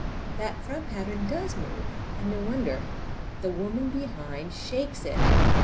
The front pattern does move—and no wonder! The woman behind shakes it!